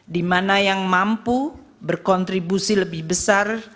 dimana yang mampu berkontribusi lebih besar